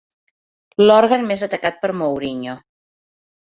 L'òrgan més atacat per Mourinho.